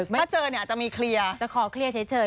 ถ้าเจอเนี่ยจะมีเคลียร์จะขอเคลียร์เฉย